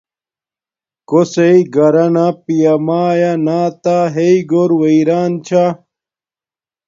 کوسݵ گھرانا پیا مایا ناتا ہݵ گھور ویران چھا